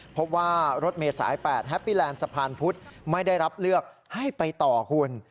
เพราะว่ารถเมษาย๘แฮปปี้แลนด์สะพานพุธไม่ได้รับเลือกให้ไปต่อคุณ